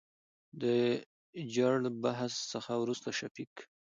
دجړبحث څخه ورورسته شفيق